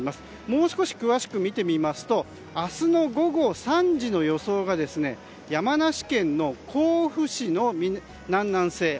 もう少し、詳しく見てみますと明日の午後３時の予想が山梨県の甲府市の南南西